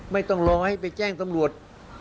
ไม่ต้องรอให้ไปแจ้งตำรวจ